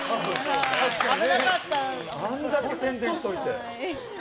あれだけ宣伝しておいて。